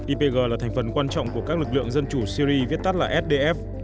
ipg là thành phần quan trọng của các lực lượng dân chủ syri viết tắt là sdf